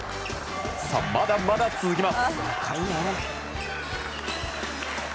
まだまだ続きます。